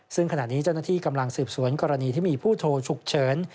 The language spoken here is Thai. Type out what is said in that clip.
ซึ่งขณะนี้เจ้าหน้าที่กำลังสืบสวนกรณีที่มีผู้โทรฉุกเฉิน